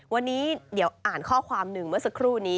วันนี้เดี๋ยวอ่านข้อความหนึ่งเมื่อสักครู่นี้